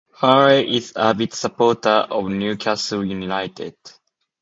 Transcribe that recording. Healy is an avid supporter of Newcastle United.